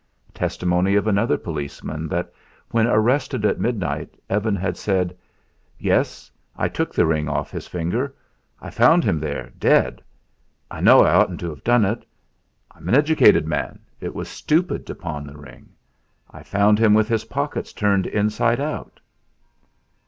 Testimony of another policeman that, when arrested at midnight, Evan had said: "Yes; I took the ring off his finger. I found him there dead .... I know I oughtn't to have done it.... I'm an educated man; it was stupid to pawn the ring. I found him with his pockets turned inside out."